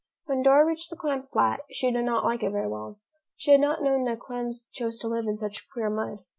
When Dora reached the clam flat, she did not like it very well. She had not known that clams chose to live in such queer mud.